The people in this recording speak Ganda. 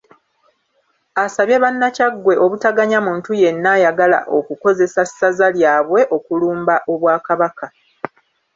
Asabye bannakyaggwe obutaganya muntu yenna ayagala okukozesa ssaza lyabwe okulumba Obwakabaka.